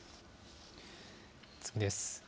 次です。